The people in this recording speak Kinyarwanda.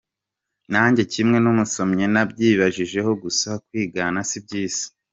nanjye kimwe n'umusomyi nabyibajijeho gusa kwigana si byiza.